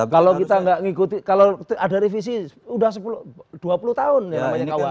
kalau kita tidak mengikuti kalau ada revisi sudah dua puluh tahun ya namanya kuhp itu